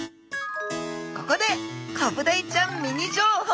ここでコブダイちゃんミニ情報。